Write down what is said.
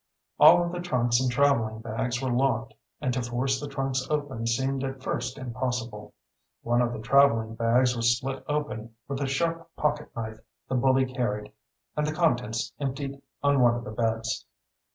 All of the trunks and traveling bags were locked, and to force the trunks open seemed at first impossible. One of the traveling bags was slit open with a sharp pocket knife the bully carried and the contents emptied on one of the beds.